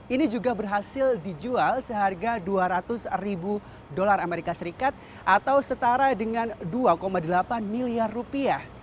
ini juga berhasil dijual seharga dua ratus ribu dolar amerika serikat atau setara dengan dua delapan miliar rupiah